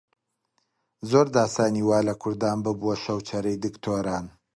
زۆر داستانی وا لە کوردان ببووە شەوچەرەی دکتۆران